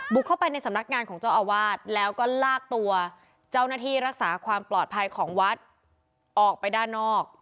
เข้าไปในสำนักงานของเจ้าอาวาสแล้วก็ลากตัวเจ้าหน้าที่รักษาความปลอดภัยของวัดออกไปด้านนอก